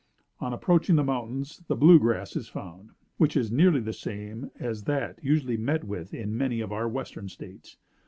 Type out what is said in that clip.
On approaching the mountains the blue grass is found, which is nearly the same as that usually met with in many of our western States.